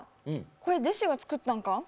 これ弟子が作ったんか？